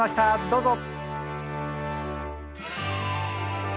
どうぞ！